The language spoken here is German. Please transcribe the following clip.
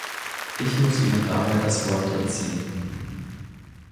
Ich muss Ihnen daher das Wort entziehen.